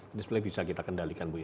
ini sebenarnya bisa kita kendalikan bu ya